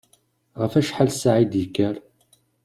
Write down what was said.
Ɣef wacḥal ssaɛa i d-yekker?